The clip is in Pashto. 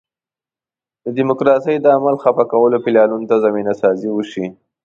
د ډیموکراسۍ د عمل خفه کولو پلانونو ته زمینه سازي وشي.